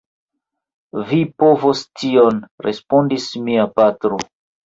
Vi povos tion, respondis mia patro.